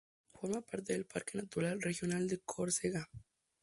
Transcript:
Forma parte del Parque Natural Regional de Córcega.